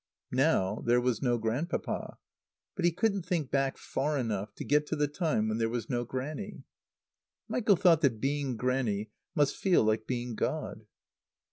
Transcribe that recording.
Now there was no Grandpapa. But he couldn't think back far enough to get to the time when there was no Grannie. Michael thought that being Grannie must feel like being God.